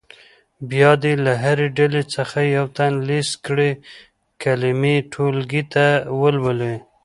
بیا دې له هرې ډلې څخه یو تن لیست کړې کلمې ټولګي ته ولولي.